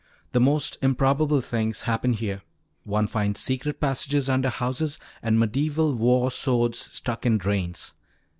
"The most improbable things happen here. One finds secret passages under houses and medieval war swords stuck in drains.